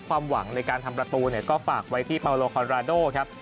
ความหวังในการทำประตูเนี่ยก็ฝากไว้ที่ครับ